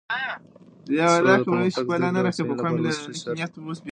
سوله د پرمختګ، زده کړې او هوساینې لپاره بنسټیز شرط دی.